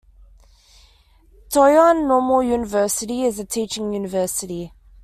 Taiyuan Normal University is a teaching University.